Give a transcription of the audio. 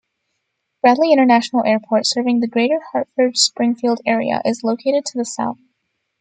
Bradley International Airport, serving the greater Hartford-Springfield area, is located to the south.